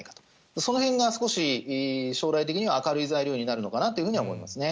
そのへんが少し、将来的には明るい材料になるのかなというふうには思いますね。